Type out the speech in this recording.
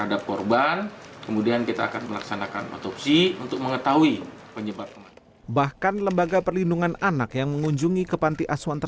dari bangunan yang kotor dan tidak layak huni hingga makanan yang tidak sehat